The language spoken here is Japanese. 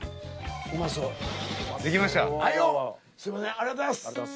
ありがとうございます。